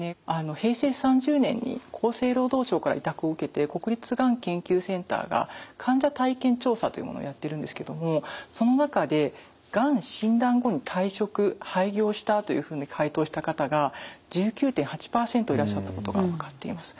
平成３０年に厚生労働省から委託を受けて国立がん研究センターが患者体験調査というものをやってるんですけどもその中でがん診断後に退職廃業したというふうに回答した方が１９．８％いらっしゃったことが分かっています。